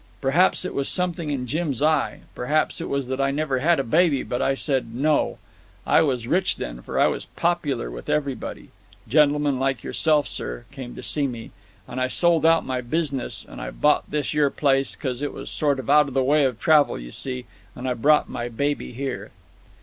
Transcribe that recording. Perhaps it was something in Jim's eye, perhaps it was that I never had a baby, but I said 'No.' I was rich then, for I was popular with everybody gentlemen like yourself, sir, came to see me and I sold out my business and bought this yer place, because it was sort of out of the way of travel, you see, and I brought my baby here."